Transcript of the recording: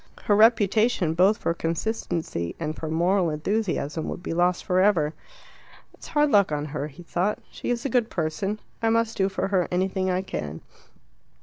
Her reputation, both for consistency and for moral enthusiasm, would be lost for ever. "It's hard luck on her," he thought. "She is a good person. I must do for her anything I can."